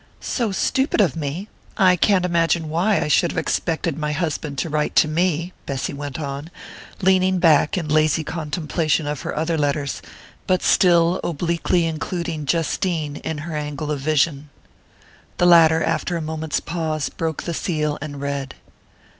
"So stupid of me I can't imagine why I should have expected my husband to write to me!" Bessy went on, leaning back in lazy contemplation of her other letters, but still obliquely including Justine in her angle of vision. The latter, after a moment's pause, broke the seal and read.